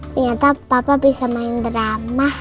ternyata papa bisa main drama